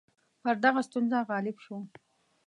پر دغه ستونزه غالب شو.